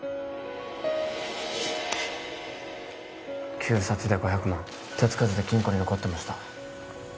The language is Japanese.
旧札で５００万手つかずで金庫に残ってました